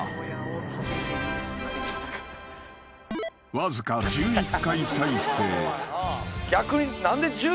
［わずか１１回再生］